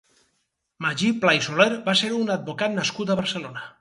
Magí Pla i Soler va ser un advocat nascut a Barcelona.